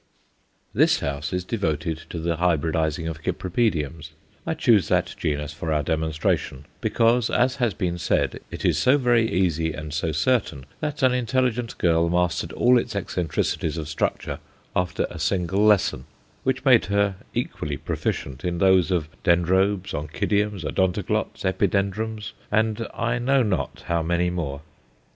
This house is devoted to the hybridizing of Cypripediums; I choose that genus for our demonstration, because, as has been said, it is so very easy and so certain that an intelligent girl mastered all its eccentricities of structure after a single lesson, which made her equally proficient in those of Dendrobes, Oncidiums, Odontoglots, Epidendrums, and I know not how many more.